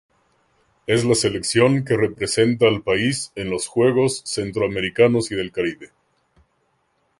Es la selección que representa al país en los Juegos Centroamericanos y del Caribe.